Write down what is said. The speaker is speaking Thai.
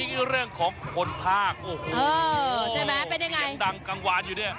นี่เรื่องของคนภาคโอ้โหใช่ไหมเป็นยังไงดังกลางวานอยู่เนี่ย